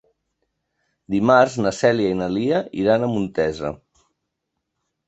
Dimarts na Cèlia i na Lia iran a Montesa.